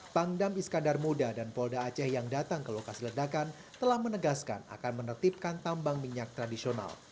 pangdam iskandar muda dan polda aceh yang datang ke lokasi ledakan telah menegaskan akan menertibkan tambang minyak tradisional